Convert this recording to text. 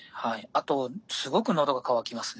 あとすごくのどが渇きますね。